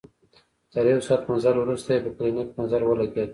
تر يو ساعت مزله وروسته يې په کلينيک نظر ولګېد.